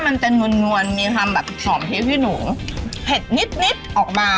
มันถือซีของเมนูต่อไปพี่อัน